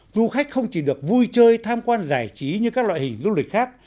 du khách không chỉ được vui chơi tham quan giải trí như các loại hình du lịch khác